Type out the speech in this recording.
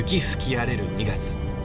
吹き荒れる２月。